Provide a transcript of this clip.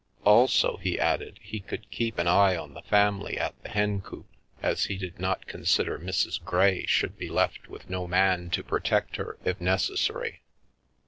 Also, he added, he could keep an eye on the family at the Hencoop, as he did not consider Mrs. Grey should be left with no man to pro The Milky Way tect her, if necessary.